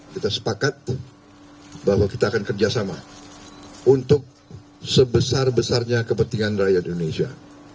kita sepakat bahwa kita akan kerjasama untuk sebesar besarnya kepentingan rakyat indonesia